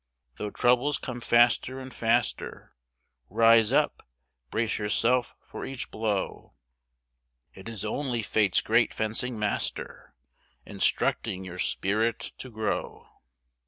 Though troubles come faster and faster, Rise up, brace yourself for each blow; It is only Fate's great fencing Master Instructing your spirit to grow.